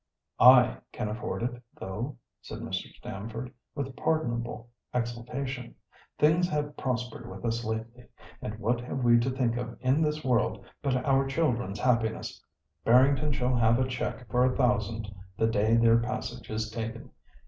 "I can afford it, though," said Mr. Stamford, with pardonable exultation. "Things have prospered with us lately. And what have we to think of in this world but our children's happiness? Barrington shall have a cheque for a thousand the day their passage is taken.